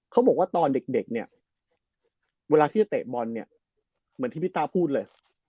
เขาบอกว่าตอนเด็กเนี่ยเวลาที่จะเตะบอลเนี่ยเหมือนที่พี่ต้าพูดเลย